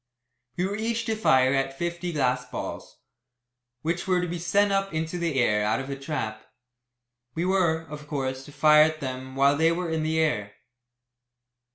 We were each to fire at fifty glass balls, which were to be sent up into the air out of a trap. We were, of course, to fire at them while they were in the air.